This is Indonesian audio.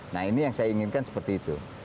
nah ini yang saya inginkan seperti itu